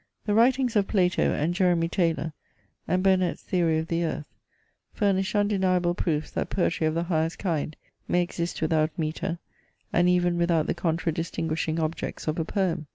The writings of Plato, and Jeremy Taylor, and Burnet's Theory of the Earth, furnish undeniable proofs that poetry of the highest kind may exist without metre, and even without the contradistringuishing objects of a poem.